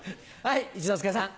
一之輔さん。